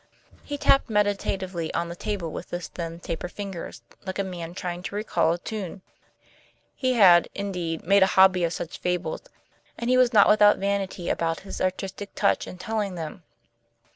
He tapped meditatively on the table with his thin, taper fingers, like a man trying to recall a tune. He had, indeed, made a hobby of such fables, and he was not without vanity about his artistic touch in telling them.